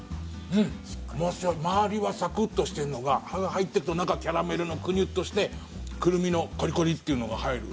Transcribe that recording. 周りはサクッとしてるのが歯が入っていくと中キャラメルのグニュッとしてクルミのコリコリっていうのが入る。